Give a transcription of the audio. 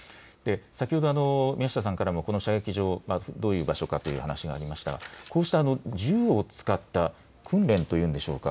先ほど宮下さんからもこの射撃場、どういう場所かという話がありましたがこうした銃を使った訓練というのでしょうか